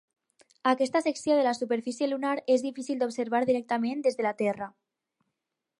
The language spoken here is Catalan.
Aquesta secció de la superfície lunar és difícil d'observar directament des de la Terra.